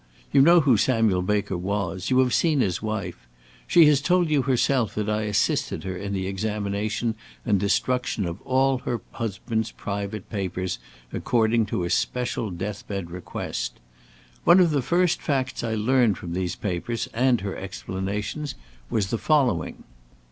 You know who Samuel Baker was. You have seen his wife. She has told you herself that I assisted her in the examination and destruction of all her husband's private papers according to his special death bed request. One of the first facts I learned from these papers and her explanations, was the following.